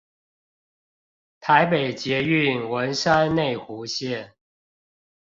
台北捷運文山內湖線